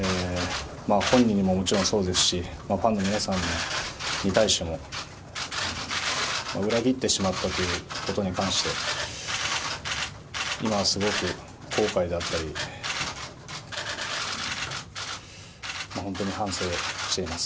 本人にももちろんそうですし、ファンの皆さんに対しても、裏切ってしまったということに関して、今はすごく後悔であったり、本当に反省しています。